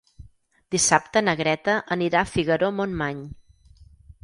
Dissabte na Greta anirà a Figaró-Montmany.